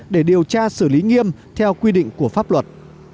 để điều tra xử lý nghiêm theo quy định của pháp luật